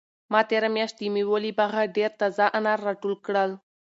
ما تېره میاشت د مېوو له باغه ډېر تازه انار راټول کړل.